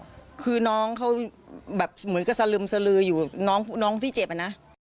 เหมือนกับสลึมสลืออยู่น้องพี่เจ็บอ่ะนะ